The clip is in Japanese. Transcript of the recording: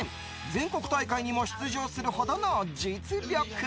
全国大会にも出場するほどの実力。